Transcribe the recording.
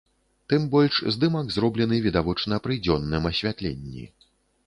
Тым больш здымак зроблены, відавочна, пры дзённым асвятленні.